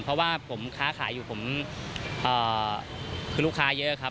เพราะว่าผมค้าขายอยู่ผมคือลูกค้าเยอะครับ